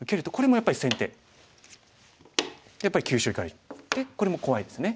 やっぱり急所いかれてこれも怖いですね。